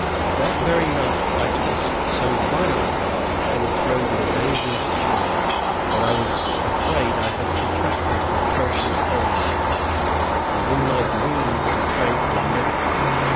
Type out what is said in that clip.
That very night, I tossed so violently in the throes of a dangerous chill that I was afraid I had contracted a tertian ague, and in my dreams I prayed for a medicine.